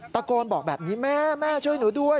ตะโกนบอกแบบนี้แม่แม่ช่วยหนูด้วย